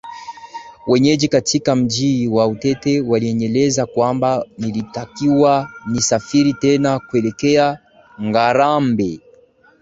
Wenyeji katika mji wa Utete walinieleza kwamba nilitakiwa nisafiri tena kuelekea Ngarambe